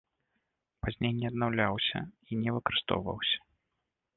Пазней не аднаўляўся і не выкарыстоўваўся.